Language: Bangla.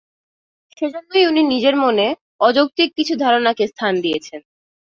সেজন্যই উনি নিজের মনে অযৌক্তিক কিছু ধারণাকে স্থান দিয়েছেন।